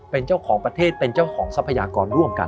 เป็นเจ้าของประเทศเป็นเจ้าของทรัพยากรร่วมกัน